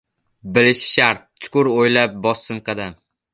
Bilishi shart, chuqur o‘ylab bossin qadam.